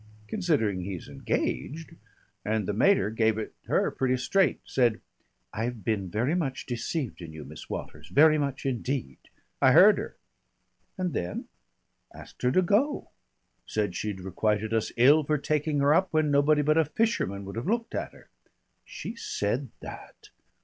considering he's engaged. And the mater gave it her pretty straight. Said, 'I've been very much deceived in you, Miss Waters very much indeed.' I heard her...." "And then?" "Asked her to go. Said she'd requited us ill for taking her up when nobody but a fisherman would have looked at her." "She said that?"